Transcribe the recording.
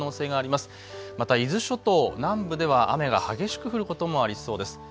また伊豆諸島南部では雨が激しく降ることもありそうです。